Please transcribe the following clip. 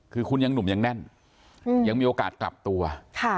คือคุณยังหนุ่มยังแน่นอืมยังมีโอกาสกลับตัวค่ะ